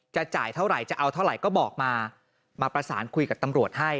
จ่ายเท่าไหร่จะเอาเท่าไหร่ก็บอกมามาประสานคุยกับตำรวจให้